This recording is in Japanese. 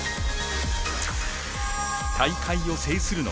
大会を制するのは。